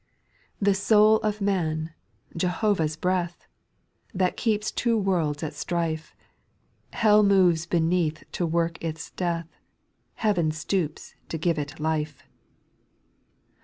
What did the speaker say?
The soul of man — Jehovah's breath I That keeps two worlds at strife ; Hell Dioves beneath to work its death. Heaven stoops to give it life.